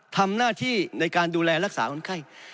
ทำหน้าที่ในการดูแลรักษาคนไข้